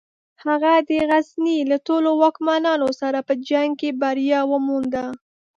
هغه د غزني له ټولو واکمنانو سره په جنګ کې بریا ومونده.